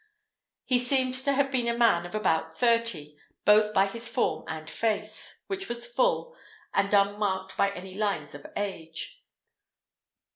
He seemed to have been a man of about thirty, both by his form and face, which was full, and unmarked by any lines of age.